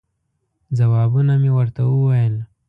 ځوابونه مې ورته وویل.